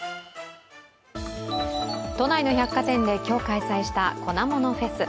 都内の百貨店で今日開催した粉ものフェス。